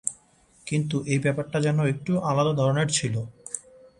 কিন্তু এই ব্যাপারটা যেন একটু আলাদা ধরণের ছিল।